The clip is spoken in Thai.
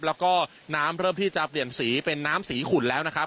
แล้วก็น้ำเริ่มที่จะเปลี่ยนสีเป็นน้ำสีขุ่นแล้วนะครับ